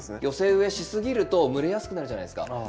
寄せ植えしすぎると蒸れやすくなるじゃないですか。